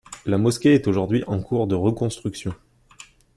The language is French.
La mosquée est aujourd'hui en cours de reconstruction.